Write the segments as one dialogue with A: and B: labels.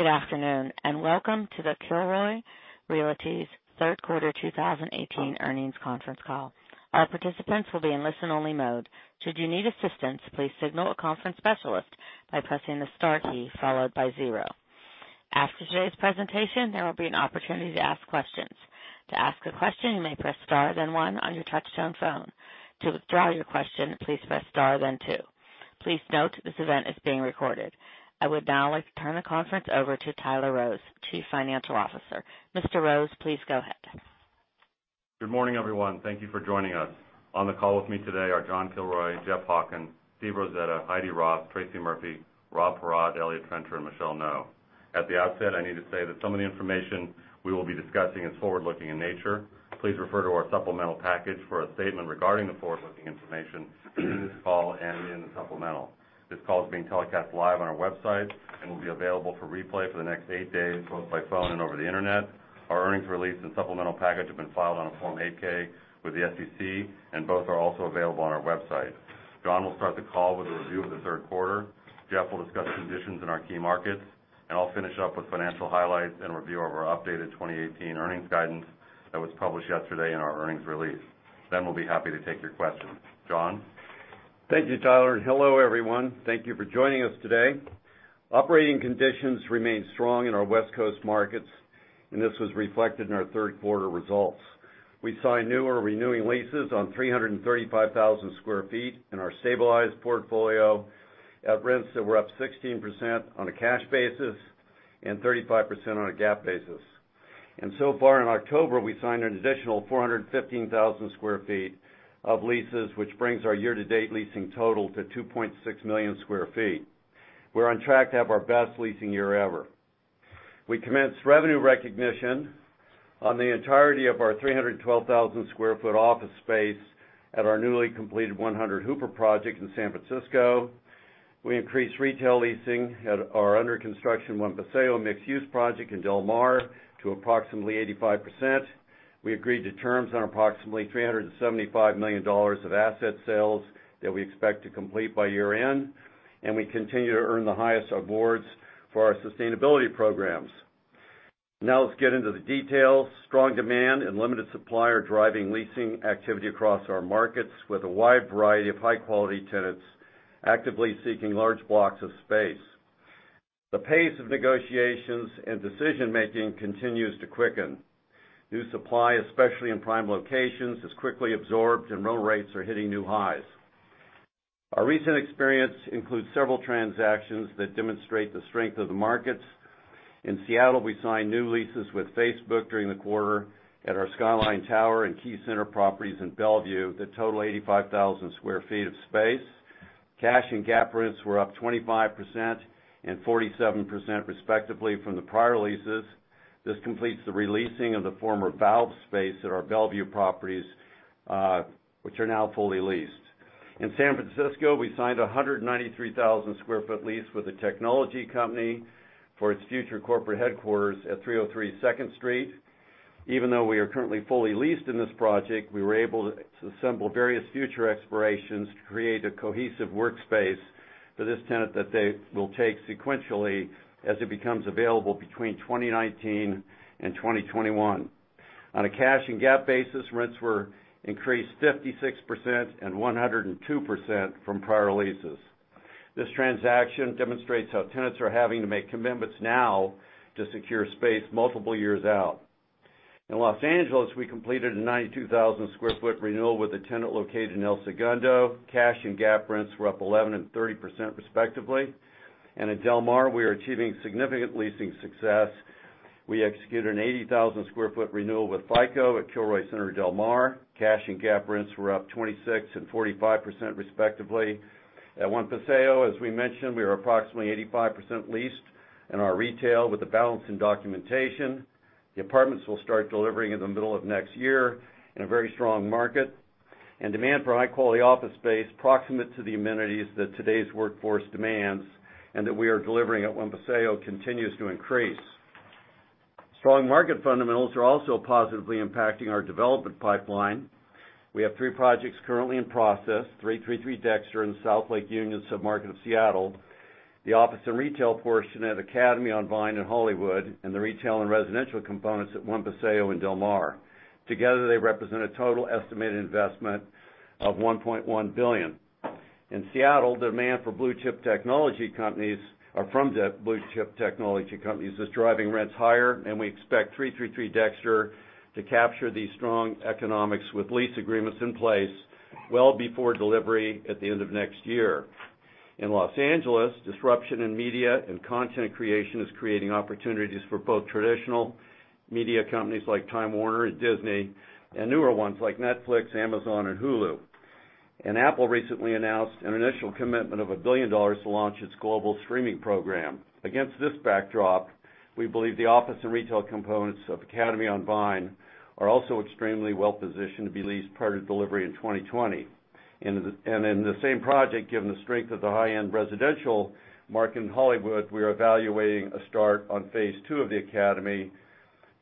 A: Good afternoon, and welcome to Kilroy Realty's third quarter 2018 earnings conference call. All participants will be in listen-only mode. Should you need assistance, please signal a conference specialist by pressing the star key followed by zero. After today's presentation, there will be an opportunity to ask questions. To ask a question, you may press star, then one on your touchtone phone. To withdraw your question, please press star then two. Please note, this event is being recorded. I would now like to turn the conference over to Tyler Rose, Chief Financial Officer. Mr. Rose, please go ahead.
B: Good morning, everyone. Thank you for joining us. On the call with me today are John Kilroy, Jeff Hawken, Steve Rosetta, Heidi Roth, Tracy Murphy, Rob Paratte, Eliott Trencher, and Michelle Ngo. At the outset, I need to say that some of the information we will be discussing is forward-looking in nature. Please refer to our supplemental package for a statement regarding the forward-looking information during this call and in the supplemental. This call is being telecast live on our website and will be available for replay for the next eight days, both by phone and over the Internet. Our earnings release and supplemental package have been filed on a Form 8-K with the SEC, and both are also available on our website. John will start the call with a review of the third quarter. Jeff will discuss conditions in our key markets, and I'll finish up with financial highlights and a review of our updated 2018 earnings guidance that was published yesterday in our earnings release. Then we'll be happy to take your questions. John?
C: Thank you, Tyler. Hello, everyone. Thank you for joining us today. Operating conditions remain strong in our West Coast markets, and this was reflected in our third quarter results. We signed new or renewing leases on 335,000 sq ft in our stabilized portfolio at rents that were up 16% on a cash basis and 35% on a GAAP basis. So far in October, we signed an additional 415,000 sq ft of leases, which brings our year-to-date leasing total to 2.6 million sq ft. We're on track to have our best leasing year ever. We commenced revenue recognition on the entirety of our 312,000 sq ft office space at our newly completed 100 Hooper project in San Francisco. We increased retail leasing at our under-construction One Paseo mixed-use project in Del Mar to approximately 85%. We agreed to terms on approximately $375 million of asset sales that we expect to complete by year-end, we continue to earn the highest awards for our sustainability programs. Let's get into the details. Strong demand and limited supply are driving leasing activity across our markets with a wide variety of high-quality tenants actively seeking large blocks of space. The pace of negotiations and decision-making continues to quicken. New supply, especially in prime locations, is quickly absorbed, rental rates are hitting new highs. Our recent experience includes several transactions that demonstrate the strength of the markets. In Seattle, we signed new leases with Facebook during the quarter at our Skyline Tower and Key Center properties in Bellevue that total 85,000 square feet of space. Cash and GAAP rents were up 25% and 47%, respectively, from the prior leases. This completes the re-leasing of the former Valve space at our Bellevue properties, which are now fully leased. In San Francisco, we signed a 193,000 square foot lease with a technology company for its future corporate headquarters at 303 Second Street. Even though we are currently fully leased in this project, we were able to assemble various future expirations to create a cohesive workspace for this tenant that they will take sequentially as it becomes available between 2019 and 2021. On a cash and GAAP basis, rents were increased 56% and 102% from prior leases. This transaction demonstrates how tenants are having to make commitments now to secure space multiple years out. In Los Angeles, we completed a 92,000 square foot renewal with a tenant located in El Segundo. Cash and GAAP rents were up 11% and 30%, respectively. In Del Mar, we are achieving significant leasing success. We executed an 80,000 square foot renewal with FICO at Kilroy Center, Del Mar. Cash and GAAP rents were up 26% and 45%, respectively. At One Paseo, as we mentioned, we are approximately 85% leased in our retail with the balance in documentation. The apartments will start delivering in the middle of next year in a very strong market. Demand for high-quality office space proximate to the amenities that today's workforce demands and that we are delivering at One Paseo continues to increase. Strong market fundamentals are also positively impacting our development pipeline. We have three projects currently in process, 333 Dexter in the South Lake Union sub-market of Seattle, the office and retail portion at Academy on Vine in Hollywood, the retail and residential components at One Paseo in Del Mar. Together, they represent a total estimated investment of $1.1 billion. In Seattle, demand from blue-chip technology companies is driving rents higher, and we expect 333 Dexter to capture these strong economics with lease agreements in place well before delivery at the end of next year. In Los Angeles, disruption in media and content creation is creating opportunities for both traditional media companies like Time Warner and Disney and newer ones like Netflix, Amazon, and Hulu. Apple recently announced an initial commitment of $1 billion to launch its global streaming program. Against this backdrop, we believe the office and retail components of Academy on Vine are also extremely well-positioned to be leased prior to delivery in 2020. In the same project, given the strength of the high-end residential market in Hollywood, we are evaluating a start on phase two of The Academy,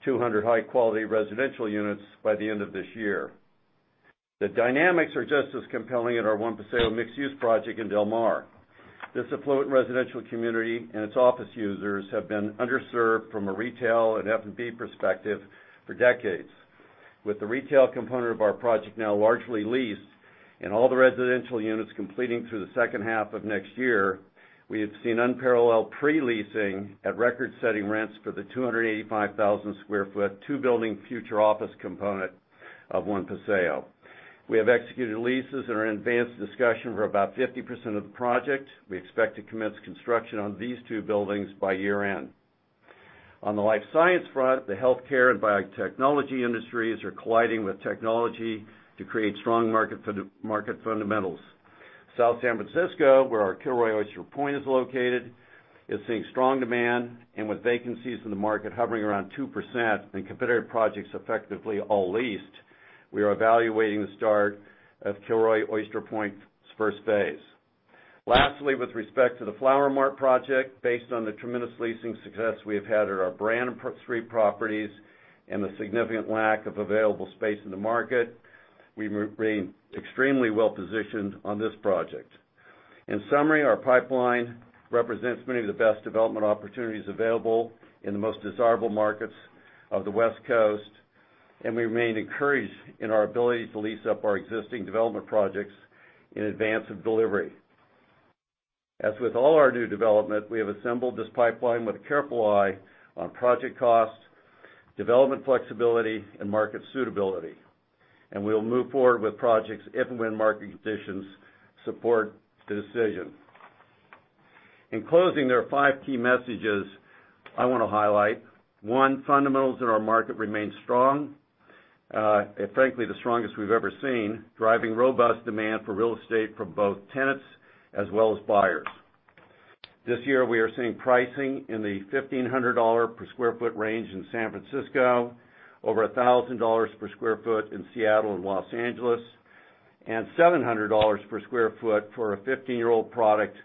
C: 200 high-quality residential units, by the end of this year. The dynamics are just as compelling at our One Paseo mixed-use project in Del Mar. This affluent residential community and its office users have been underserved from a retail and F&B perspective for decades. With the retail component of our project now largely leased and all the residential units completing through the second half of next year, we have seen unparalleled pre-leasing at record-setting rents for the 285,000 sq ft, two building future office component of One Paseo. We have executed leases and are in advanced discussion for about 50% of the project. We expect to commence construction on these two buildings by year-end. On the life science front, the healthcare and biotechnology industries are colliding with technology to create strong market fundamentals. South San Francisco, where our Kilroy Oyster Point is located, is seeing strong demand with vacancies in the market hovering around 2%, and competitive projects effectively all leased, we are evaluating the start of Kilroy Oyster Point's first phase. Lastly, with respect to the Flower Mart project, based on the tremendous leasing success we have had at our Brannan Street properties and the significant lack of available space in the market, we remain extremely well-positioned on this project. In summary, our pipeline represents many of the best development opportunities available in the most desirable markets of the West Coast. We remain encouraged in our ability to lease up our existing development projects in advance of delivery. As with all our new development, we have assembled this pipeline with a careful eye on project costs, development flexibility, and market suitability. We'll move forward with projects if and when market conditions support the decision. In closing, there are five key messages I want to highlight. One, fundamentals in our market remain strong, frankly, the strongest we've ever seen, driving robust demand for real estate from both tenants as well as buyers. This year, we are seeing pricing in the $1,500 per sq ft range in San Francisco, over $1,000 per sq ft in Seattle and Los Angeles, and $700 per sq ft for a 15-year-old product,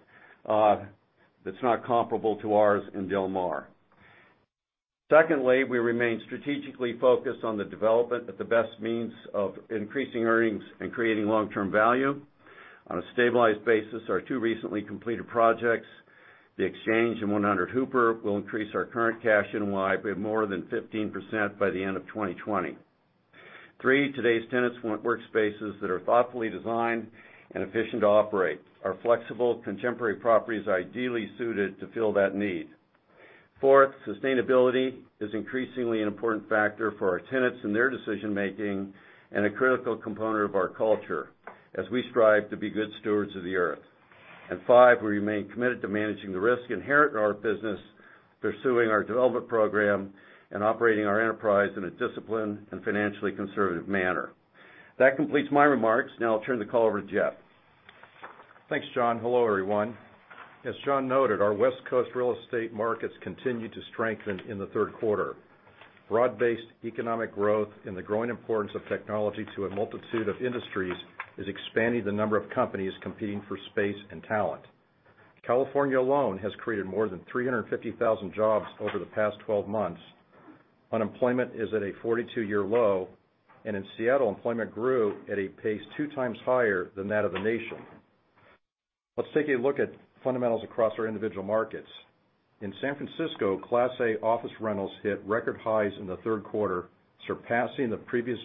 C: that's not comparable to ours in Del Mar. Secondly, we remain strategically focused on the development as the best means of increasing earnings and creating long-term value. On a stabilized basis, our two recently completed projects, The Exchange and 100 Hooper, will increase our current cash NOI by more than 15% by the end of 2020. Three, today's tenants want workspaces that are thoughtfully designed and efficient to operate. Our flexible contemporary property is ideally suited to fill that need. Fourth, sustainability is increasingly an important factor for our tenants in their decision-making and a critical component of our culture as we strive to be good stewards of the Earth. Five, we remain committed to managing the risk inherent in our business, pursuing our development program, and operating our enterprise in a disciplined and financially conservative manner. That completes my remarks. Now I'll turn the call over to Jeff.
D: Thanks, John. Hello, everyone. As John noted, our West Coast real estate markets continued to strengthen in the third quarter. Broad-based economic growth and the growing importance of technology to a multitude of industries is expanding the number of companies competing for space and talent. California alone has created more than 350,000 jobs over the past 12 months. Unemployment is at a 42-year low, in Seattle, employment grew at a pace two times higher than that of the nation. Let's take a look at fundamentals across our individual markets. In San Francisco, Class A office rentals hit record highs in the third quarter, surpassing the previous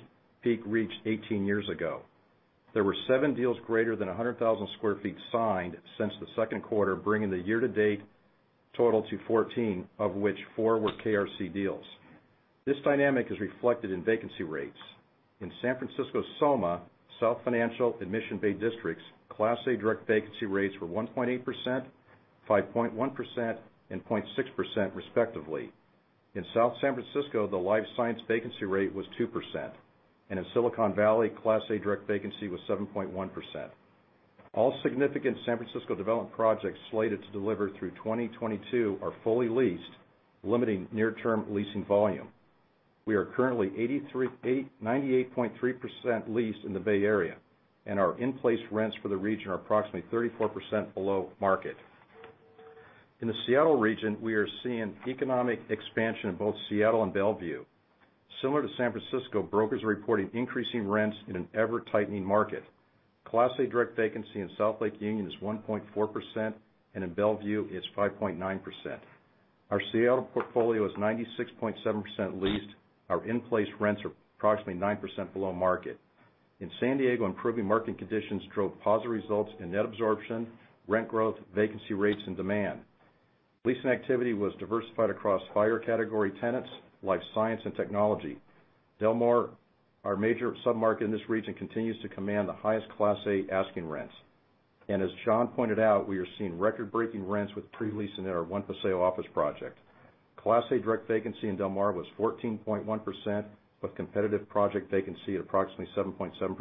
D: peak reached 18 years ago. There were seven deals greater than 100,000 square feet signed since the second quarter, bringing the year-to-date total to 14, of which four were KRC deals. This dynamic is reflected in vacancy rates. In San Francisco, SOMA, South Financial, and Mission Bay districts, Class A direct vacancy rates were 1.8%, 5.1%, and 0.6% respectively. In South San Francisco, the life science vacancy rate was 2%, and in Silicon Valley, Class A direct vacancy was 7.1%. All significant San Francisco development projects slated to deliver through 2022 are fully leased, limiting near-term leasing volume. We are currently 98.3% leased in the Bay Area, and our in-place rents for the region are approximately 34% below market. In the Seattle region, we are seeing economic expansion in both Seattle and Bellevue. Similar to San Francisco, brokers are reporting increasing rents in an ever-tightening market. Class A direct vacancy in South Lake Union is 1.4%, and in Bellevue, it's 5.9%. Our Seattle portfolio is 96.7% leased. Our in-place rents are approximately 9% below market. In San Diego, improving market conditions drove positive results in net absorption, rent growth, vacancy rates, and demand. Leasing activity was diversified across higher category tenants, life science, and technology. Del Mar, our major sub-market in this region, continues to command the highest Class A asking rents. As John pointed out, we are seeing record-breaking rents with pre-leasing at our One Paseo office project. Class A direct vacancy in Del Mar was 14.1%, with competitive project vacancy at approximately 7.7%.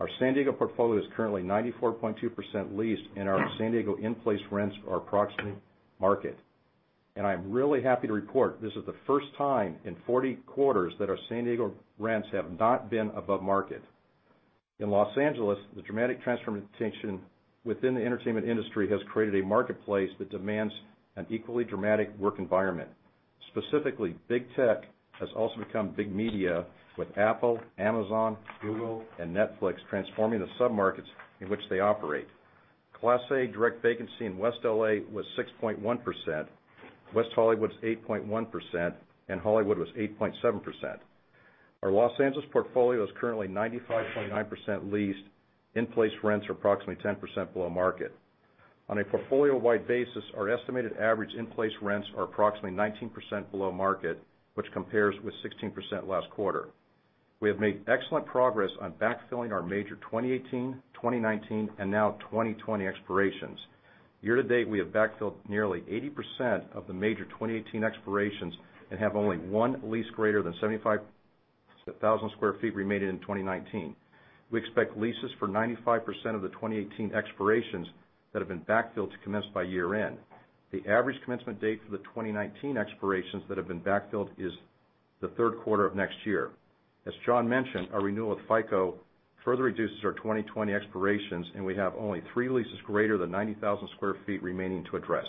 D: Our San Diego portfolio is currently 94.2% leased, and our San Diego in-place rents are approximately market. I am really happy to report this is the first time in 40 quarters that our San Diego rents have not been above market. In Los Angeles, the dramatic transformation within the entertainment industry has created a marketplace that demands an equally dramatic work environment. Specifically, big tech has also become big media with Apple, Amazon, Google, and Netflix transforming the sub-markets in which they operate. Class A direct vacancy in West L.A. was 6.1%, West Hollywood's 8.1%, and Hollywood was 8.7%. Our Los Angeles portfolio is currently 95.9% leased. In-place rents are approximately 10% below market. On a portfolio-wide basis, our estimated average in-place rents are approximately 19% below market, which compares with 16% last quarter. We have made excellent progress on backfilling our major 2018, 2019, and now 2020 expirations. Year-to-date, we have backfilled nearly 80% of the major 2018 expirations and have only one lease greater than 75,000 square feet remaining in 2019. We expect leases for 95% of the 2018 expirations that have been backfilled to commence by year-end. The average commencement date for the 2019 expirations that have been backfilled is the third quarter of next year. As John mentioned, our renewal with FICO further reduces our 2020 expirations, and we have only three leases greater than 90,000 sq ft remaining to address.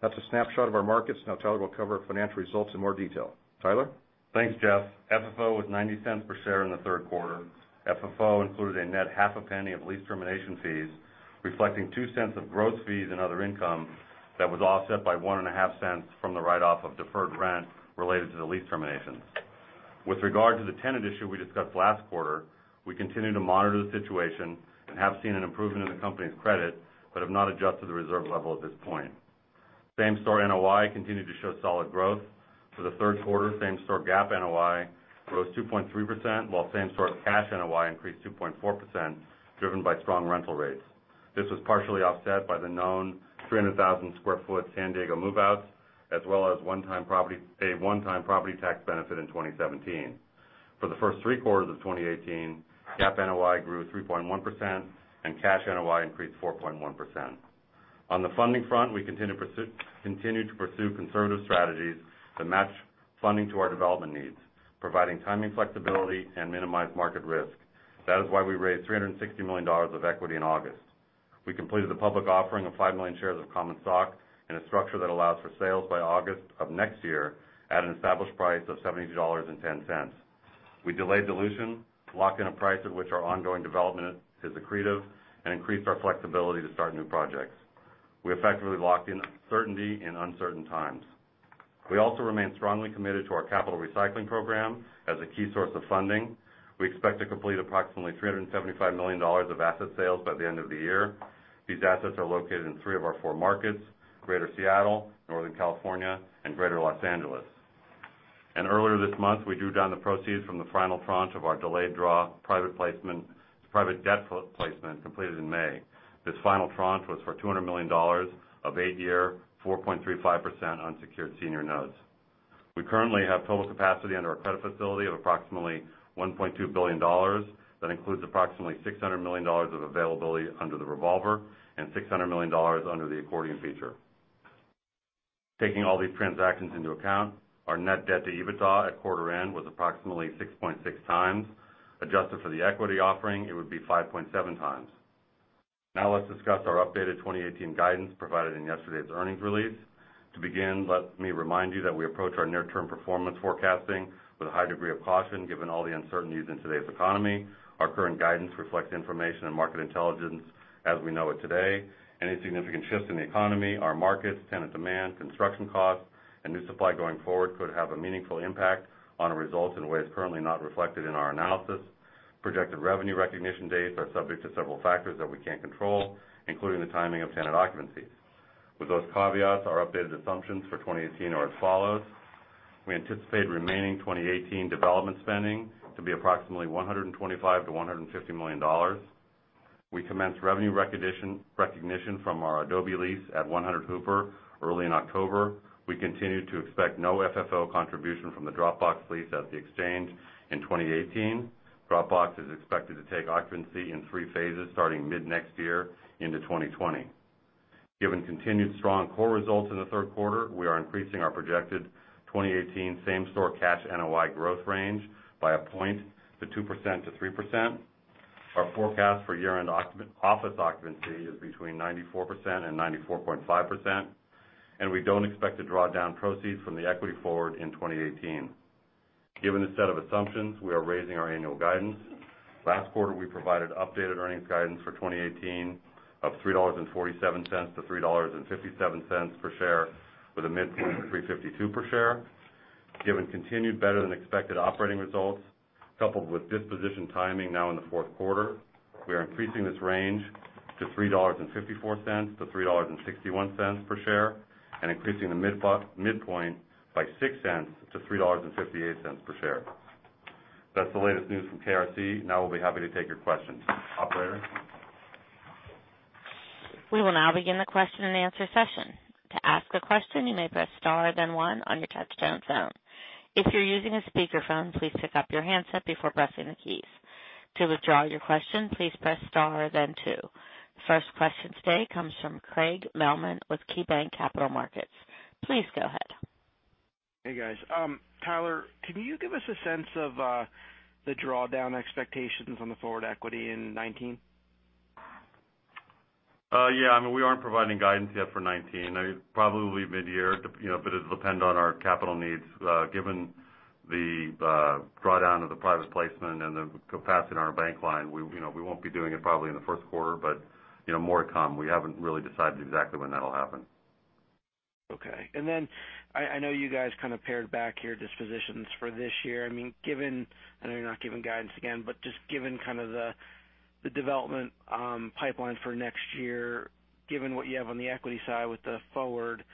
D: That's a snapshot of our markets. Now Tyler will cover our financial results in more detail. Tyler?
B: Thanks, Jeff. FFO was $0.90 per share in the third quarter. FFO included a net half a penny of lease termination fees, reflecting $0.02 of gross fees and other income that was offset by $0.015 from the write-off of deferred rent related to the lease terminations. With regard to the tenant issue we discussed last quarter, we continue to monitor the situation and have seen an improvement in the company's credit but have not adjusted the reserve level at this point. Same-store NOI continued to show solid growth. For the third quarter, same-store GAAP NOI rose 2.3%, while same-store cash NOI increased 2.4%, driven by strong rental rates. This was partially offset by the known 300,000 sq ft San Diego move-outs, as well as a one-time property tax benefit in 2017. For the first three quarters of 2018, GAAP NOI grew 3.1%, and cash NOI increased 4.1%. On the funding front, we continue to pursue conservative strategies that match funding to our development needs, providing timing flexibility and minimized market risk. That is why we raised $360 million of equity in August. We completed the public offering of 5 million shares of common stock in a structure that allows for sales by August of next year at an established price of $72.10. We delayed dilution to lock in a price at which our ongoing development is accretive and increased our flexibility to start new projects. We effectively locked in certainty in uncertain times. We also remain strongly committed to our capital recycling program as a key source of funding. We expect to complete approximately $375 million of asset sales by the end of the year. These assets are located in three of our four markets, Greater Seattle, Northern California, and Greater Los Angeles. Earlier this month, we drew down the proceeds from the final tranche of our delayed draw private debt placement completed in May. This final tranche was for $200 million of eight-year, 4.35% unsecured senior notes. We currently have total capacity under our credit facility of approximately $1.2 billion. That includes approximately $600 million of availability under the revolver and $600 million under the accordion feature. Taking all these transactions into account, our net debt to EBITDA at quarter end was approximately 6.6 times. Adjusted for the equity offering, it would be 5.7 times. Let's discuss our updated 2018 guidance provided in yesterday's earnings release. To begin, let me remind you that we approach our near-term performance forecasting with a high degree of caution given all the uncertainties in today's economy. Our current guidance reflects information and market intelligence as we know it today. Any significant shifts in the economy, our markets, tenant demand, construction costs, and new supply going forward could have a meaningful impact on our results in ways currently not reflected in our analysis. Projected revenue recognition dates are subject to several factors that we can't control, including the timing of tenant occupancy. With those caveats, our updated assumptions for 2018 are as follows. We anticipate remaining 2018 development spending to be approximately $125 million-$150 million. We commenced revenue recognition from our Adobe lease at 100 Hooper early in October. We continue to expect no FFO contribution from the Dropbox lease at the Exchange in 2018. Dropbox is expected to take occupancy in 3 phases starting mid-next year into 2020. Given continued strong core results in the third quarter, we are increasing our projected 2018 same-store cash NOI growth range by a point to 2%-3%. Our forecast for year-end office occupancy is between 94% and 94.5%, and we don't expect to draw down proceeds from the equity forward in 2018. Given this set of assumptions, we are raising our annual guidance. Last quarter, we provided updated earnings guidance for 2018 of $3.47-$3.57 per share, with a midpoint of $3.52 per share. Given continued better-than-expected operating results, coupled with disposition timing now in the fourth quarter, we are increasing this range to $3.54-$3.61 per share and increasing the midpoint by $0.06 to $3.58 per share. That's the latest news from KRC. We'll be happy to take your questions. Operator?
A: We will now begin the question-and-answer session. To ask a question, you may press star then one on your touchtone phone. If you're using a speakerphone, please pick up your handset before pressing the keys. To withdraw your question, please press star then two. The first question today comes from Craig Mailman with KeyBanc Capital Markets. Please go ahead.
E: Hey, guys. Tyler, can you give us a sense of the drawdown expectations on the forward equity in 2019?
B: Yeah. We aren't providing guidance yet for 2019. Probably mid-year, but it'll depend on our capital needs, given the drawdown of the private placement and the capacity in our bank line. We won't be doing it probably in the first quarter, but more to come. We haven't really decided exactly when that'll happen.
E: Okay. I know you guys kind of pared back your dispositions for this year. I know you're not giving guidance again, but just given the development pipeline for next year, given what you have on the equity side with the forward,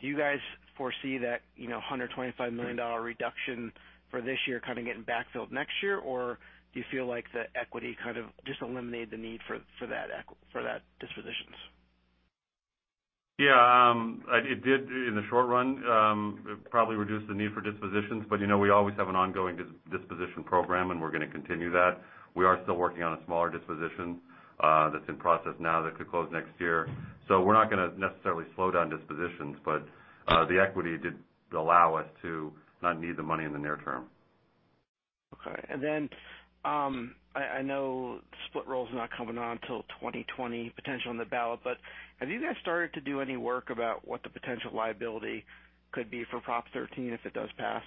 E: do you guys foresee that $125 million reduction for this year kind of getting backfilled next year? Or do you feel like the equity kind of just eliminated the need for that dispositions?
B: Yeah. It did in the short run, it probably reduced the need for dispositions, we always have an ongoing disposition program, and we're going to continue that. We are still working on a smaller disposition that's in process now that could close next year. We're not going to necessarily slow down dispositions, the equity did allow us to not need the money in the near term.
E: Okay. I know split roll's not coming on till 2020, potentially, on the ballot, have you guys started to do any work about what the potential liability could be for Proposition 13 if it does pass?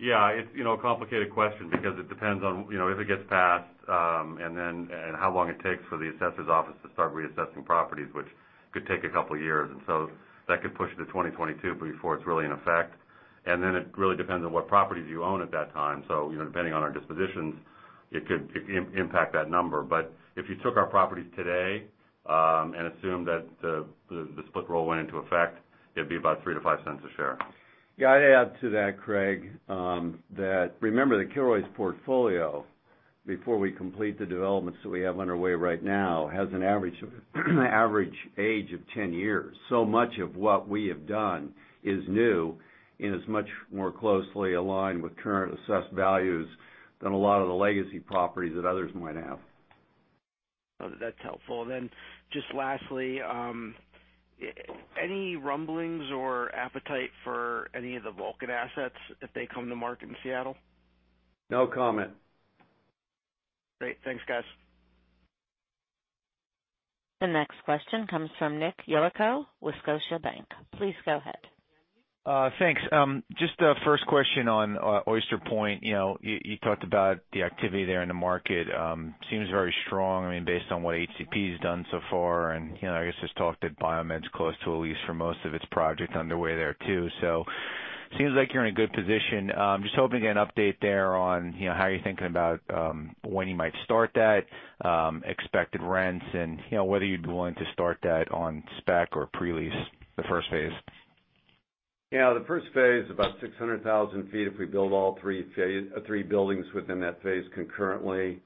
B: It's a complicated question because it depends on if it gets passed, then how long it takes for the assessor's office to start reassessing properties, which could take a couple of years. That could push to 2022 before it's really in effect. It really depends on what properties you own at that time. Depending on our dispositions, it could impact that number. If you took our properties today, and assumed that the split roll went into effect, it'd be about $0.03-$0.05 a share.
C: Yeah. I'd add to that, Craig, that remember the Kilroy's portfolio, before we complete the developments that we have underway right now, has an average age of 10 years. Much of what we have done is new and is much more closely aligned with current assessed values than a lot of the legacy properties that others might have.
E: No, that's helpful. Just lastly, any rumblings or appetite for any of the Vulcan assets if they come to market in Seattle?
C: No comment.
E: Great. Thanks, guys.
A: The next question comes from Nicholas Yulico with Scotiabank. Please go ahead.
F: Thanks. Just a first question on Oyster Point. You talked about the activity there in the market, seems very strong, based on what HCP has done so far, and I guess there's talk that BioMed's close to a lease for most of its project underway there, too. Seems like you're in a good position. I'm just hoping to get an update there on how you're thinking about when you might start that, expected rents, and whether you'd be willing to start that on spec or pre-lease the first phase.
C: Yeah. The first phase is about 600,000 feet if we build all three buildings within that phase concurrently.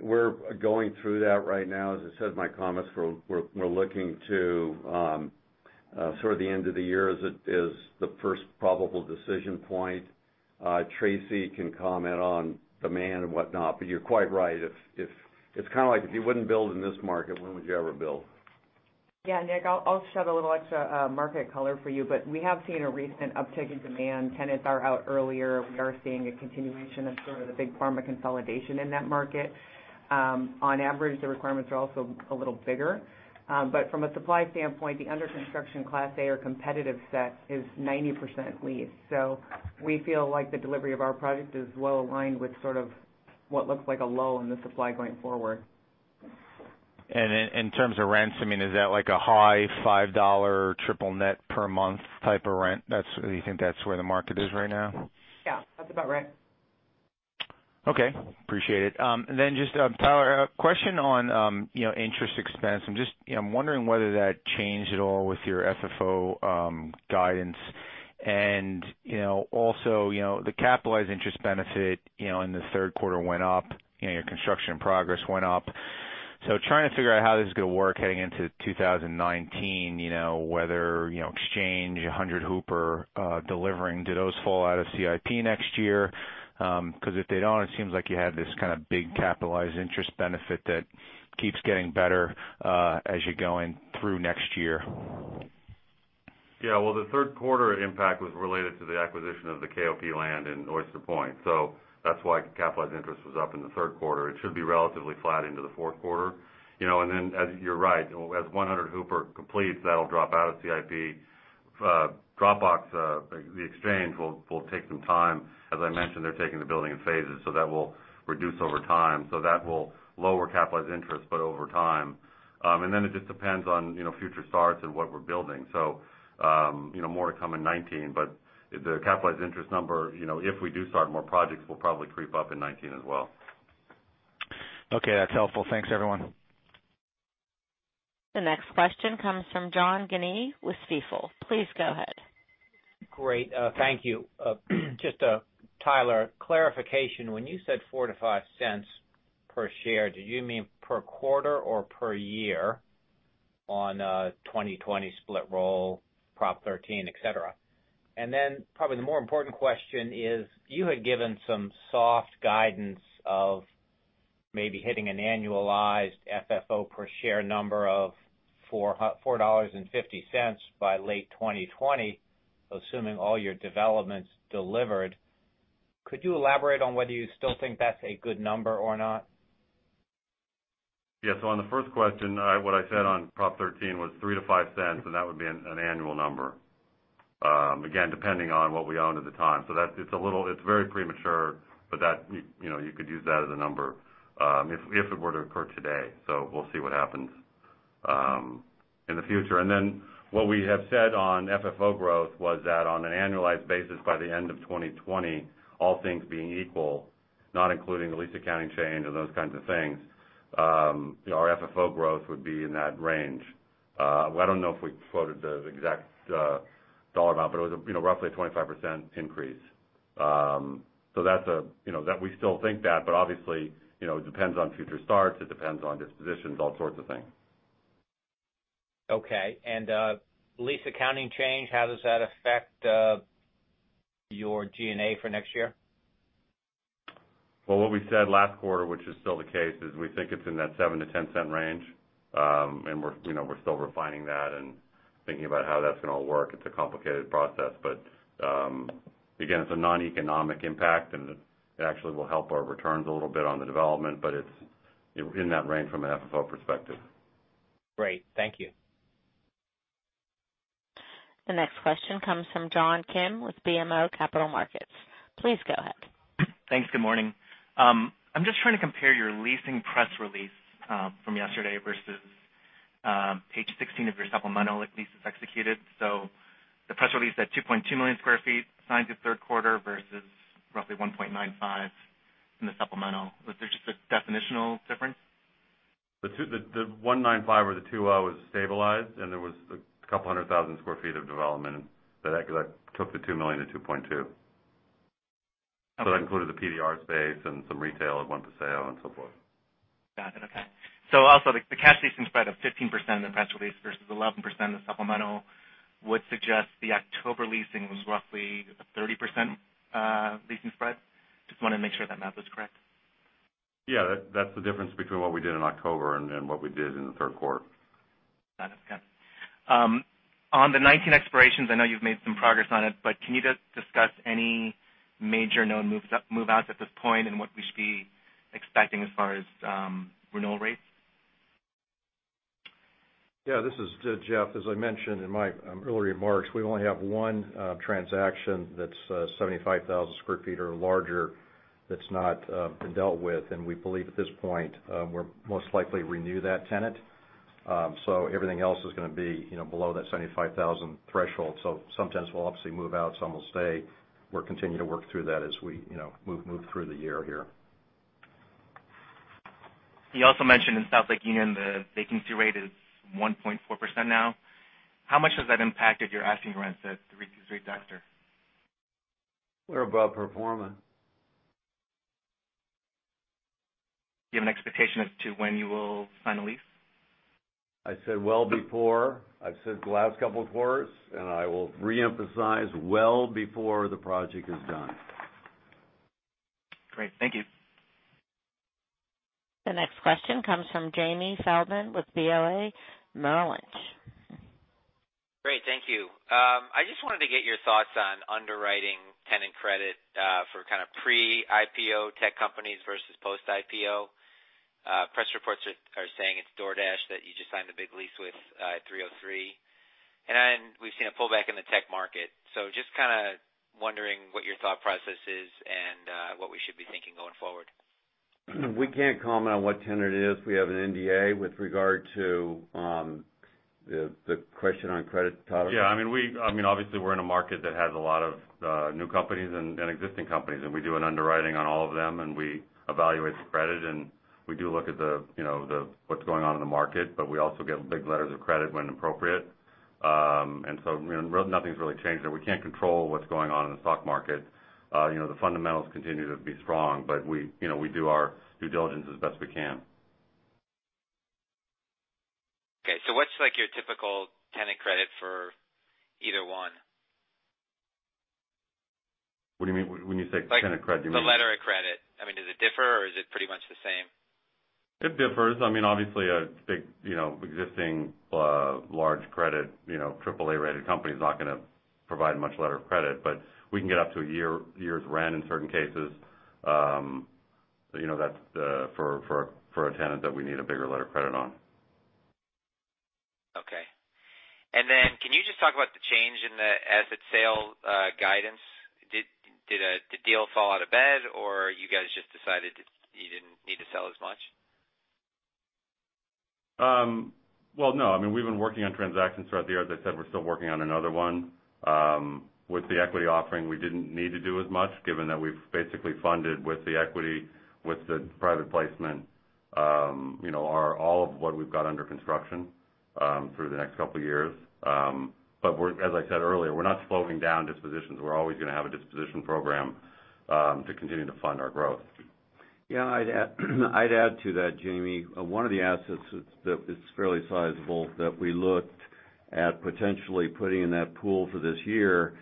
C: We're going through that right now. As I said in my comments, we're looking to sort of the end of the year as the first probable decision point. Tracy can comment on demand and whatnot, but you're quite right. It's kind of like if you wouldn't build in this market, when would you ever build?
G: Nick, I'll shed a little extra market color for you. We have seen a recent uptick in demand. Tenants are out earlier. We are seeing a continuation of sort of the big pharma consolidation in that market. On average, the requirements are also a little bigger. From a supply standpoint, the under construction Class A or competitive set is 90% leased. We feel like the delivery of our product is well aligned with sort of what looks like a low on the supply going forward.
F: In terms of rents, is that like a high $5 triple net per month type of rent? Do you think that's where the market is right now?
G: Yeah, that's about right.
F: Okay. Appreciate it. Then just, Tyler, a question on interest expense. I'm wondering whether that changed at all with your FFO guidance. Also, the capitalized interest benefit in the third quarter went up, your construction progress went up. Trying to figure out how this is going to work heading into 2019, whether Exchange, 100 Hooper delivering, do those fall out of CIP next year? Because if they don't, it seems like you have this kind of big capitalized interest benefit that keeps getting better as you're going through next year.
B: The third quarter impact was related to the acquisition of the KOP land in Oyster Point, that's why capitalized interest was up in the third quarter. It should be relatively flat into the fourth quarter. As you're right, as 100 Hooper completes, that'll drop out of CIP. Dropbox, the Exchange, will take some time. As I mentioned, they're taking the building in phases, that will reduce over time. That will lower capitalized interest, but over time. It just depends on future starts and what we're building. More to come in 2019, but the capitalized interest number, if we do start more projects, will probably creep up in 2019 as well.
F: That's helpful. Thanks, everyone.
A: The next question comes from John Guinee with Stifel. Please go ahead.
H: Great. Thank you. Just a, Tyler, clarification. When you said $0.04-$0.05 per share, do you mean per quarter or per year on 2020 split roll, Proposition 13, et cetera? Probably the more important question is, you had given some soft guidance of maybe hitting an annualized FFO per share number of $4.50 by late 2020, assuming all your developments delivered. Could you elaborate on whether you still think that's a good number or not?
B: Yes. On the first question, what I said on Proposition 13 was $0.03-$0.05, and that would be an annual number. Again, depending on what we own at the time. It's very premature, but you could use that as a number, if it were to occur today. We'll see what happens in the future. What we have said on FFO growth was that on an annualized basis, by the end of 2020, all things being equal, not including the lease accounting change or those kinds of things, our FFO growth would be in that range. Well, I don't know if we quoted the exact dollar amount, but it was roughly a 25% increase. We still think that, obviously, it depends on future starts, it depends on dispositions, all sorts of things.
H: Okay. Lease accounting change, how does that affect your G&A for next year?
B: Well, what we said last quarter, which is still the case, is we think it's in that $0.07-$0.10 range. We're still refining that and thinking about how that's going to all work. It's a complicated process. Again, it's a non-economic impact, and it actually will help our returns a little bit on the development, but it's in that range from an FFO perspective.
H: Great. Thank you.
A: The next question comes from John Kim with BMO Capital Markets. Please go ahead.
I: Thanks. Good morning. I'm just trying to compare your leasing press release from yesterday versus page 16 of your supplemental leases executed. The press release said 2.2 million square feet signed your third quarter versus roughly 1.95 in the supplemental. Was there just a definitional difference?
B: The 195 or the 2.0 was stabilized, and there was a couple hundred thousand square feet of development, because that took the 2 million to 2.2.
I: Okay.
B: That included the PDR space and some retail that went for sale and so forth.
I: Got it. Okay. Also the cash leasing spread of 15% in the press release versus 11% in the supplemental would suggest the October leasing was roughly a 30% leasing spread. Just want to make sure that math was correct.
B: Yeah. That's the difference between what we did in October and then what we did in the third quarter.
I: Got it. Okay. On the 19 expirations, I know you've made some progress on it, but can you just discuss any major known move-outs at this point and what we should be expecting as far as renewal rates?
D: This is Jeff. As I mentioned in my earlier remarks, we only have one transaction that's 75,000 sq ft or larger that's not been dealt with. We believe at this point, we'll most likely renew that tenant. Everything else is going to be below that 75,000 threshold. Some tenants will obviously move out, some will stay. We'll continue to work through that as we move through the year here.
I: You also mentioned in South Lake Union, the vacancy rate is 1.4% now. How much has that impacted your asking rents at 333 Dexter?
D: We're above performance.
I: Do you have an expectation as to when you will sign a lease?
D: I said well before. I've said the last couple of quarters, and I will reemphasize, well before the project is done.
I: Great. Thank you.
A: The next question comes from Jamie Feldman with BofA Merrill Lynch.
J: Great. Thank you. I just wanted to get your thoughts on underwriting tenant credit, for kind of pre-IPO tech companies versus post-IPO. Press reports are saying it's DoorDash that you just signed the big lease with at 303. We've seen a pullback in the tech market. Just kind of wondering what your thought process is and what we should be thinking going forward.
D: We can't comment on what tenant it is. We have an NDA. With regard to the question on credit, Tyler?
B: Yeah. Obviously, we're in a market that has a lot of new companies and existing companies, and we do an underwriting on all of them, and we evaluate the credit, and we do look at what's going on in the market, but we also get big letters of credit when appropriate. Nothing's really changed there. We can't control what's going on in the stock market. The fundamentals continue to be strong, but we do our due diligence as best we can.
J: Okay. What's your typical tenant credit for either one?
B: What do you mean when you say tenant credit? Do you mean?
J: The letter of credit. Does it differ or is it pretty much the same?
B: It differs. Obviously, a big existing large credit, triple-A rated company is not going to provide much letter of credit. We can get up to a year's rent in certain cases for a tenant that we need a bigger letter of credit on.
J: Okay. Can you just talk about the change in the asset sale guidance? Did the deal fall out of bed, or you guys just decided you didn't need to sell as much?
B: Well, no. We've been working on transactions throughout the year. As I said, we're still working on another one. With the equity offering, we didn't need to do as much given that we've basically funded with the equity, with the private placement, all of what we've got under construction through the next couple of years. As I said earlier, we're not slowing down dispositions. We're always going to have a disposition program to continue to fund our growth.
D: Yeah. I'd add to that, Jamie. One of the assets that is fairly sizable that we looked at potentially putting in that pool for this year,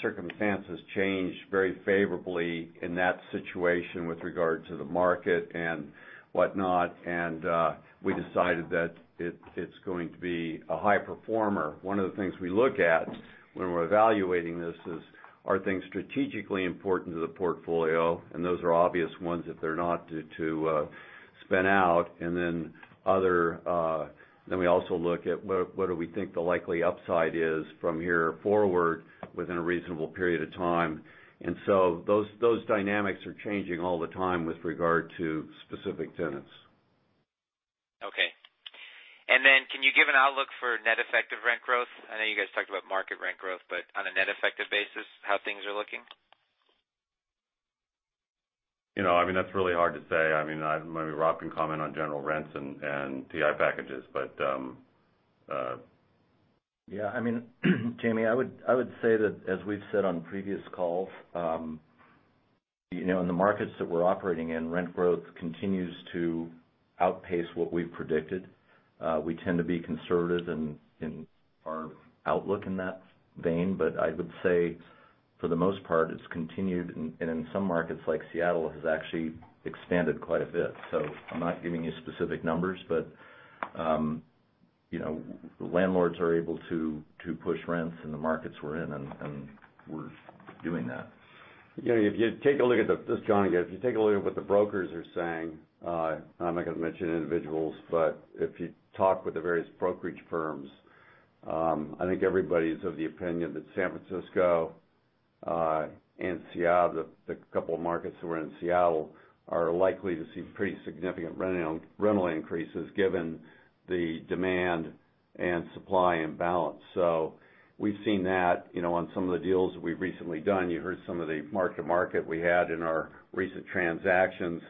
D: circumstances changed very favorably in that situation with regard to the market and whatnot. We decided that it's going to be a high performer. One of the things we look at
C: When we're evaluating this is, are things strategically important to the portfolio? Those are obvious ones, if they're not, to spin out. We also look at what do we think the likely upside is from here forward within a reasonable period of time. Those dynamics are changing all the time with regard to specific tenants.
J: Okay. Can you give an outlook for net effective rent growth? I know you guys talked about market rent growth, but on a net effective basis, how things are looking.
C: That's really hard to say. Maybe Rob can comment on general rents and TI packages.
K: Yeah. Jamie, I would say that as we've said on previous calls, in the markets that we're operating in, rent growth continues to outpace what we've predicted. We tend to be conservative in our outlook in that vein, but I would say for the most part, it's continued, and in some markets like Seattle, it has actually expanded quite a bit. I'm not giving you specific numbers, but, the landlords are able to push rents in the markets we're in, and we're doing that.
C: This is John again. If you take a look at what the brokers are saying, and I'm not going to mention individuals, but if you talk with the various brokerage firms, I think everybody's of the opinion that San Francisco, and Seattle, the couple of markets that we're in, Seattle, are likely to see pretty significant rental increases given the demand and supply imbalance. We've seen that on some of the deals that we've recently done. You heard some of the mark-to-market we had in our recent transactions.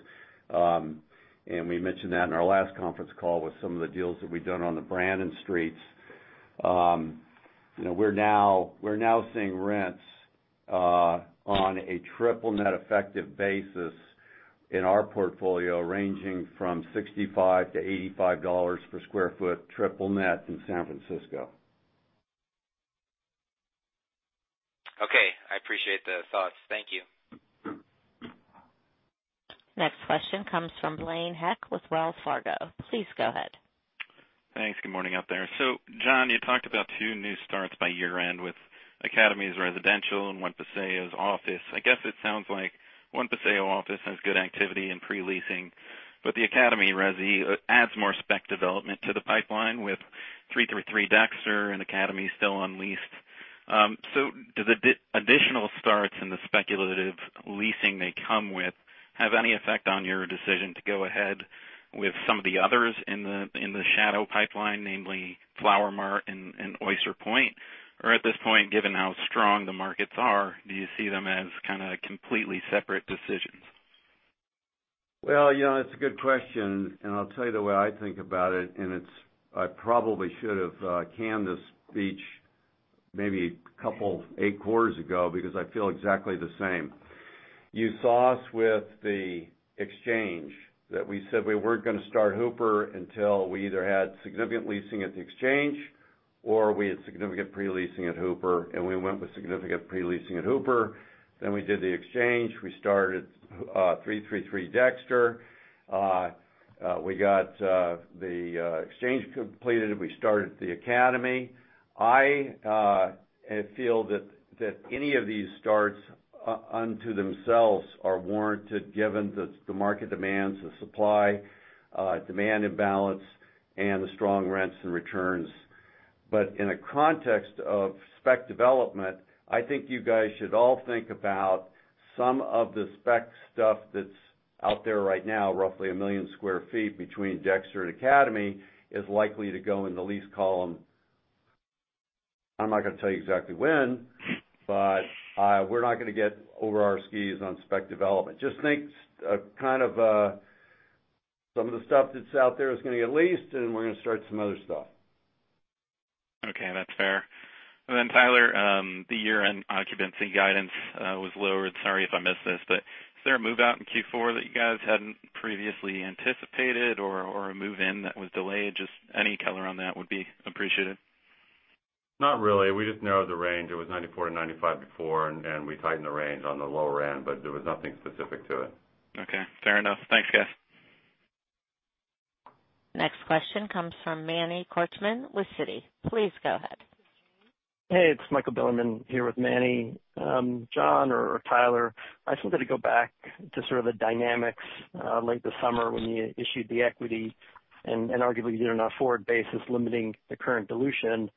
C: We mentioned that in our last conference call with some of the deals that we've done on the Brannan Streets. We're now seeing rents on a triple-net effective basis in our portfolio ranging from $65-$85 per square foot, triple net in San Francisco.
J: Okay. I appreciate the thoughts. Thank you.
A: Next question comes from Blaine Heck with Wells Fargo. Please go ahead.
L: Thanks. Good morning out there. John, you talked about two new starts by year-end with Academy's residential and One Paseo's office. I guess it sounds like One Paseo office has good activity and pre-leasing, but the Academy resi adds more spec development to the pipeline with 333 Dexter and Academy still unleased. Does the additional starts and the speculative leasing they come with have any effect on your decision to go ahead with some of the others in the shadow pipeline, namely Flower Mart and Oyster Point? At this point, given how strong the markets are, do you see them as kind of completely separate decisions?
C: Well, it's a good question, and I'll tell you the way I think about it, and I probably should have canned this speech maybe eight quarters ago because I feel exactly the same. You saw us with The Exchange, that we said we weren't going to start Hooper until we either had significant leasing at The Exchange or we had significant pre-leasing at Hooper, and we went with significant pre-leasing at Hooper. We did The Exchange. We started 333 Dexter. We got The Exchange completed. We started The Academy. I feel that any of these starts unto themselves are warranted given the market demands, the supply, demand imbalance, and the strong rents and returns. In a context of spec development, I think you guys should all think about some of the spec stuff that's out there right now, roughly 1 million sq ft between Dexter and Academy is likely to go in the lease column. I'm not going to tell you exactly when, we're not going to get over our skis on spec development. Just think kind of some of the stuff that's out there is going to get leased, and we're going to start some other stuff.
L: Okay, that's fair. Tyler, the year-end occupancy guidance was lowered. Sorry if I missed this, is there a move-out in Q4 that you guys hadn't previously anticipated or a move-in that was delayed? Just any color on that would be appreciated.
B: Not really. We just narrowed the range. It was 94-95 before, and we tightened the range on the lower end, but there was nothing specific to it.
L: Okay, fair enough. Thanks, guys.
A: Next question comes from Manny Korchman with Citi. Please go ahead.
M: Hey, it's Michael Bilerman here with Manny. John or Tyler, I just wanted to go back to sort of the dynamics late this summer when you issued the equity, and arguably you did it on a forward basis limiting the current dilution,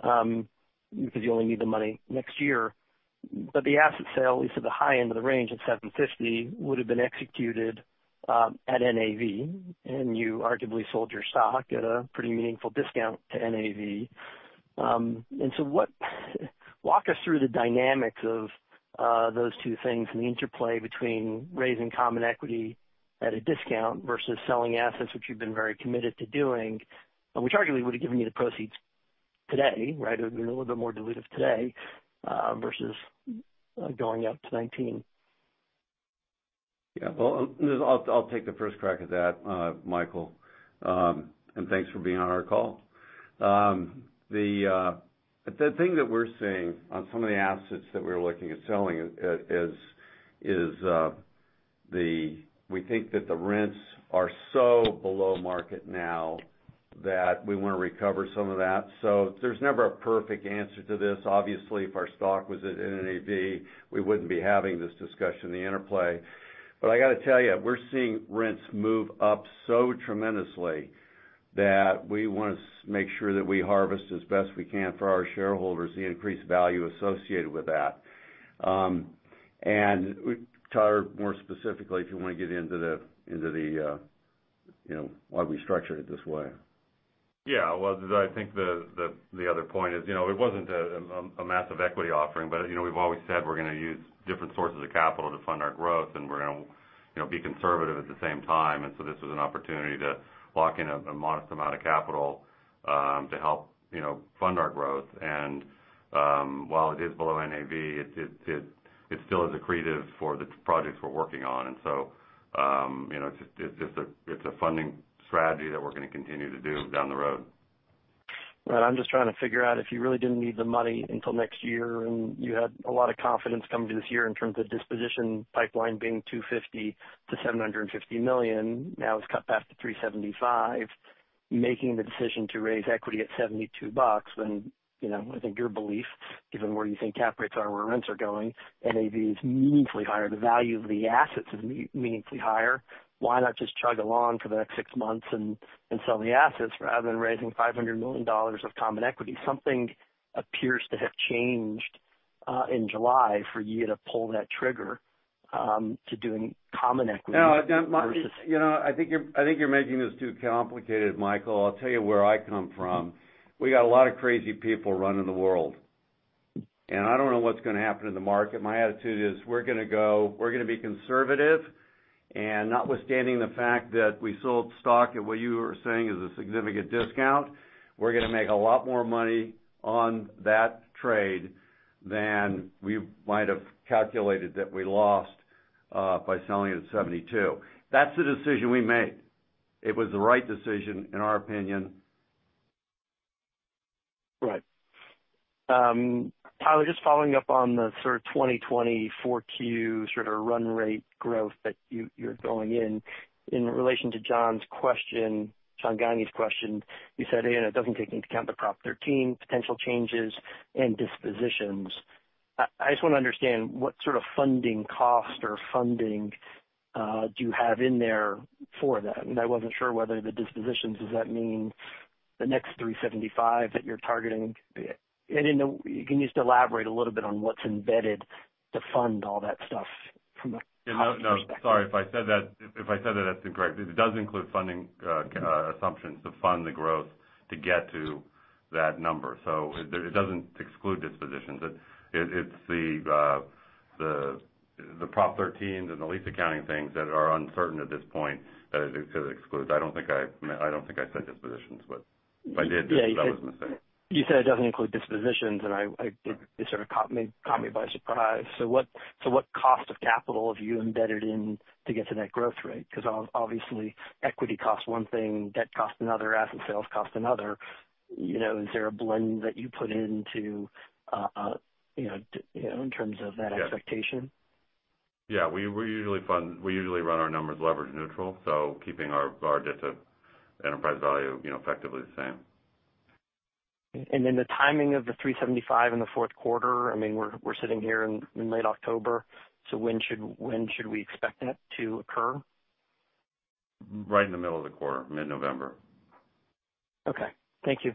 M: because you only need the money next year. The asset sale, at least at the high end of the range at $750, would've been executed at NAV, and you arguably sold your stock at a pretty meaningful discount to NAV. Walk us through the dynamics of those two things and the interplay between raising common equity at a discount versus selling assets, which you've been very committed to doing, and which arguably would've given you the proceeds today, right? It would've been a little bit more dilutive today, versus going out to 2019.
C: Well, I'll take the first crack at that, Michael, thanks for being on our call. The thing that we're seeing on some of the assets that we're looking at selling is. We think that the rents are so below market now that we want to recover some of that. There's never a perfect answer to this. Obviously, if our stock was at NAV, we wouldn't be having this discussion, the interplay. I got to tell you, we're seeing rents move up so tremendously that we want to make sure that we harvest as best we can for our shareholders, the increased value associated with that. Tyler, more specifically, if you want to get into why we structured it this way.
B: Well, I think the other point is, it wasn't a massive equity offering. We've always said we're going to use different sources of capital to fund our growth, and we're going to be conservative at the same time. This was an opportunity to lock in a modest amount of capital, to help fund our growth. While it is below NAV, it still is accretive for the projects we're working on. It's a funding strategy that we're going to continue to do down the road.
M: Right. I'm just trying to figure out if you really didn't need the money until next year. You had a lot of confidence coming to this year in terms of disposition pipeline being $250 million-$750 million, now it's cut back to $375 million, making the decision to raise equity at $72 when, I think your belief, given where you think cap rates are and where rents are going, NAV is meaningfully higher. The value of the assets is meaningfully higher. Why not just chug along for the next six months and sell the assets rather than raising $500 million of common equity? Something appears to have changed in July for you to pull that trigger to doing common equity versus.
C: I think you're making this too complicated, Michael. I'll tell you where I come from. We got a lot of crazy people running the world. I don't know what's going to happen in the market. My attitude is we're going to be conservative. Notwithstanding the fact that we sold stock at what you were saying is a significant discount, we're going to make a lot more money on that trade than we might have calculated that we lost by selling it at $72. That's the decision we made. It was the right decision in our opinion.
M: Right. Tyler, just following up on the sort of 2020 4Q sort of run rate growth that you're going in. In relation to John's question, John Guinee's question, you said, it doesn't take into account the Proposition 13 potential changes and dispositions. I just want to understand what sort of funding cost or funding, do you have in there for that? I wasn't sure whether the dispositions, does that mean the next $375 million that you're targeting? Can you just elaborate a little bit on what's embedded to fund all that stuff from a cost perspective?
B: No, sorry if I said that's incorrect. It does include funding assumptions to fund the growth to get to that number. It doesn't exclude dispositions. It's the Prop 13s and the lease accounting things that are uncertain at this point that it excludes. I don't think I said dispositions, but if I did, that was a mistake.
M: You said it doesn't include dispositions, it sort of caught me by surprise. What cost of capital have you embedded in to get to net growth rate? Because obviously, equity costs one thing, debt costs another, asset sales cost another. Is there a blend that you put into in terms of that expectation?
B: Yeah. We usually run our numbers leverage neutral, so keeping our debt to enterprise value effectively the same.
M: The timing of the 375 in the fourth quarter, we're sitting here in late October, when should we expect that to occur?
B: Right in the middle of the quarter, mid-November.
M: Okay. Thank you.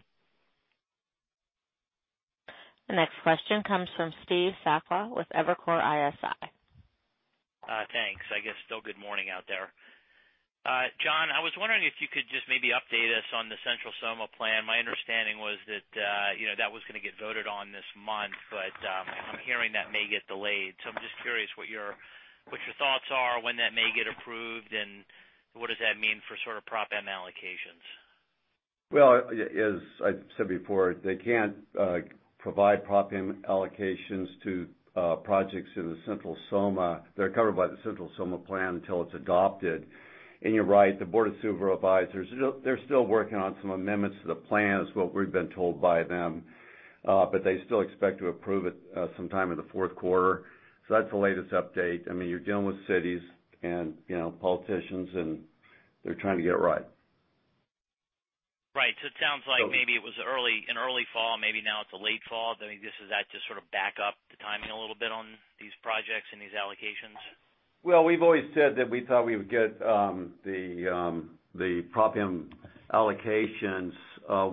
A: The next question comes from Steve Sakwa with Evercore ISI.
N: Thanks. I guess still good morning out there. John, I was wondering if you could just maybe update us on the Central SoMa plan. My understanding was that that was going to get voted on this month, but I'm hearing that may get delayed. I'm just curious what your thoughts are, when that may get approved, and what does that mean for sort of Proposition M allocations?
C: Well, as I said before, they can't provide Proposition M allocations to projects in the Central SoMa. They're covered by the Central SoMa plan until it's adopted. You're right, the Board of Supervisors, they're still working on some amendments to the plan, is what we've been told by them. But they still expect to approve it sometime in the fourth quarter. That's the latest update. You're dealing with cities and politicians, and they're trying to get it right.
N: Right. It sounds like maybe it was in early fall, maybe now it's a late fall. Does that just sort of back up the timing a little bit on these projects and these allocations?
C: Well, we've always said that we thought we would get the Proposition M allocations,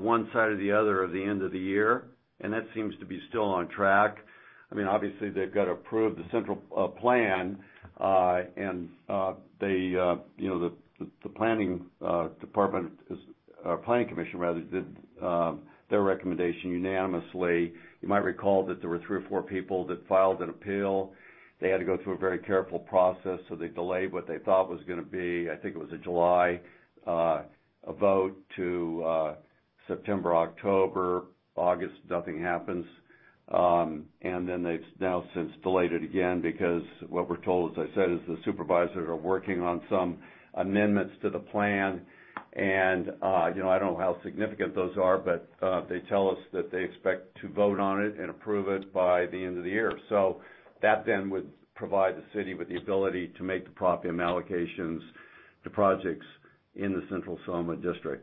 C: one side or the other of the end of the year, and that seems to be still on track. Obviously, they've got to approve the central plan, and the planning department is, or planning commission rather, did their recommendation unanimously. You might recall that there were three or four people that filed an appeal. They had to go through a very careful process, they delayed what they thought was going to be, I think it was a July vote to September, October. August, nothing happens. They've now since delayed it again because what we're told, as I said, is the Board of Supervisors are working on some amendments to the plan. I don't know how significant those are, but they tell us that they expect to vote on it and approve it by the end of the year. That would provide the city with the ability to make the Proposition M allocations to projects in the Central SoMa District.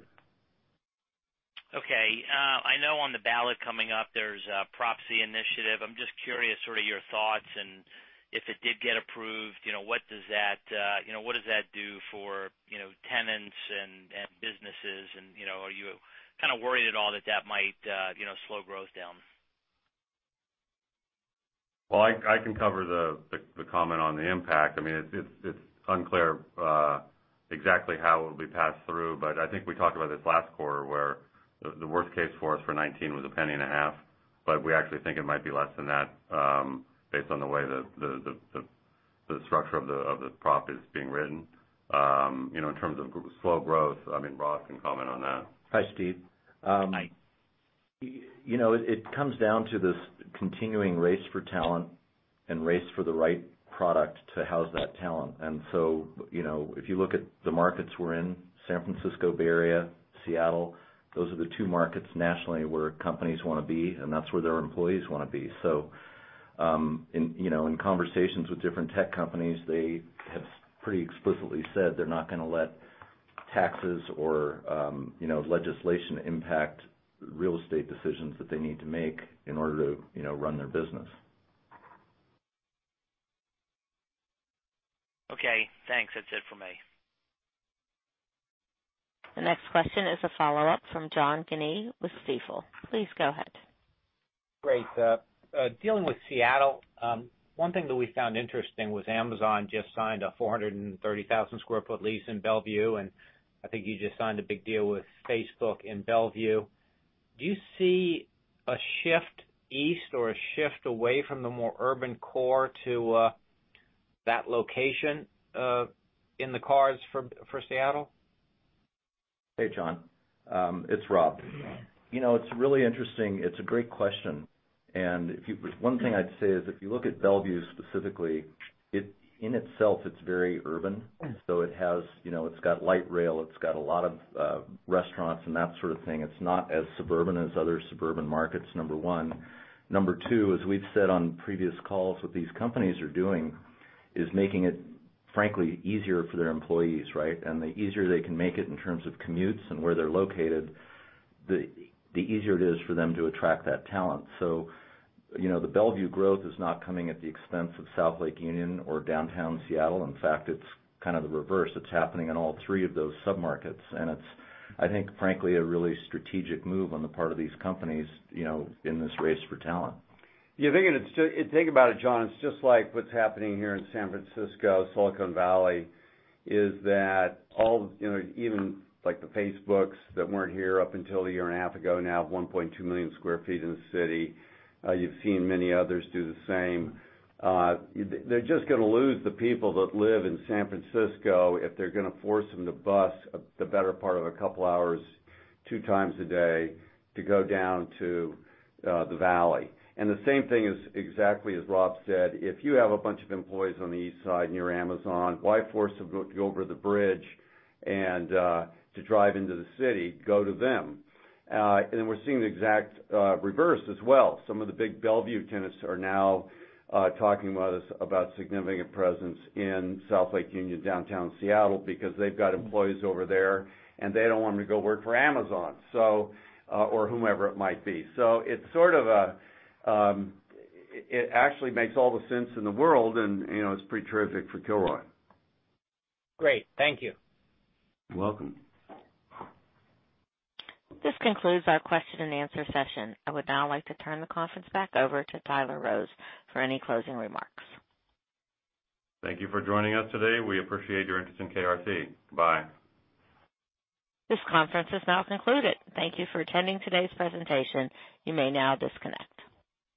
N: Okay. I know on the ballot coming up, there's a Prop C initiative. I'm just curious sort of your thoughts, if it did get approved, what does that do for tenants and businesses, are you kind of worried at all that that might slow growth down?
C: Well, I can cover the comment on the impact. It's unclear exactly how it will be passed through. I think we talked about this last quarter, where the worst case for us for 2019 was a penny and a half. We actually think it might be less than that, based on the way the structure of the prop is being written. In terms of slow growth, Rob can comment on that.
K: Hi, Steve.
N: Hi.
K: It comes down to this continuing race for talent and race for the right product to house that talent. If you look at the markets we're in, San Francisco Bay Area, Seattle, those are the two markets nationally where companies want to be, and that's where their employees want to be. In conversations with different tech companies, they have pretty explicitly said they're not going to let taxes or legislation impact real estate decisions that they need to make in order to run their business.
N: Okay, thanks. That's it for me.
A: The next question is a follow-up from John Guinee with Stifel. Please go ahead.
H: Great. Dealing with Seattle, one thing that we found interesting was Amazon just signed a 430,000-square-foot lease in Bellevue, and I think you just signed a big deal with Facebook in Bellevue. Do you see a shift east or a shift away from the more urban core to that location in the cards for Seattle?
K: Hey, John. It's Rob. It's really interesting. It's a great question. One thing I'd say is if you look at Bellevue specifically, in itself, it's very urban. It's got light rail. It's got a lot of restaurants and that sort of thing. It's not as suburban as other suburban markets, number one. Number two, as we've said on previous calls, what these companies are doing is making it, frankly, easier for their employees, right? The easier they can make it in terms of commutes and where they're located, the easier it is for them to attract that talent. The Bellevue growth is not coming at the expense of South Lake Union or downtown Seattle. In fact, it's kind of the reverse. It's happening in all three of those sub-markets, it's, I think, frankly, a really strategic move on the part of these companies in this race for talent.
C: If you think about it, John, it's just like what's happening here in San Francisco, Silicon Valley, is that even like the Facebooks that weren't here up until a year-and-a-half ago, now have 1.2 million sq ft in the city. You've seen many others do the same. They're just going to lose the people that live in San Francisco if they're going to force them to bus the better part of a couple hours 2 times a day to go down to the Valley. The same thing is exactly as Rob said, if you have a bunch of employees on the east side near Amazon, why force them to go over the bridge and to drive into the city? Go to them. We're seeing the exact reverse as well. Some of the big Bellevue tenants are now talking with us about significant presence in South Lake Union, downtown Seattle, because they've got employees over there, and they don't want them to go work for Amazon, or whomever it might be. It actually makes all the sense in the world, and it's pretty terrific for Kilroy.
H: Great. Thank you.
C: You're welcome.
A: This concludes our question-and-answer session. I would now like to turn the conference back over to Tyler Rose for any closing remarks.
B: Thank you for joining us today. We appreciate your interest in KRC. Bye.
A: This conference is now concluded. Thank you for attending today's presentation. You may now disconnect.